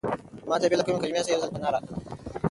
ما ته بې له کومې کلمې څخه یو ځل پناه راکړه.